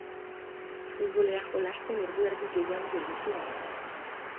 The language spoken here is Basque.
futbolera jolastea erdi ordu gehiago gelditu gera